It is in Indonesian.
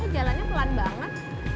jalannya pelan banget